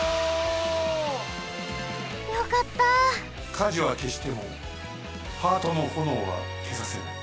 火事はけしてもハートのほのおはけさせない。